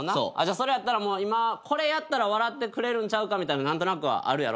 それやったらもうこれやったら笑ってくれるんちゃうかみたいの何となくあるやろ。